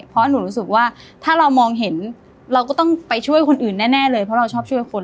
เพราะหนูรู้สึกว่าถ้าเรามองเห็นเราก็ต้องไปช่วยคนอื่นแน่เลยเพราะเราชอบช่วยคน